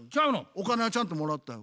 お金はちゃんともらったよ。